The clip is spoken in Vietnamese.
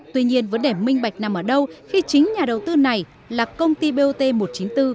tuy nhiên vấn đề minh bạch nằm ở đâu khi chính nhà đầu tư này là công ty bot một trăm chín mươi bốn